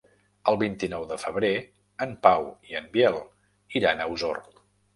El vint-i-nou de febrer en Pau i en Biel iran a Osor.